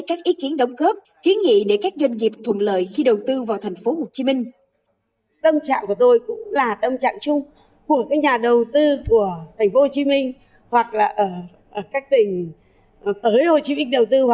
các ý kiến đóng góp kiến nghị để các doanh nghiệp thuận lợi khi đầu tư vào thành phố hồ chí minh